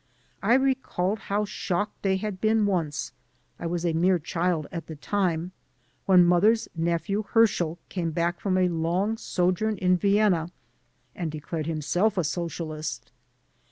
I recalled how shocked they had been once — I was a mere child at the time — when mother's nephew Herschel came back from a long sojourn in Vienna and declared himself a socialist.